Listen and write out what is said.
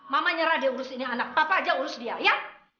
mama nyerah dia urus ini anak papa aja urus dia ya